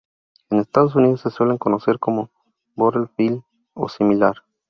En Estados Unidos se suele conocer como "bottle bill" o similar.